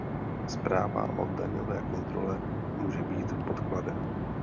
Zpráva o daňové kontrole může být podkladem.